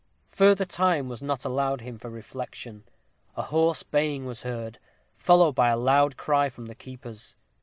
Further time was not allowed him for reflection. A hoarse baying was heard, followed by a loud cry from the keepers.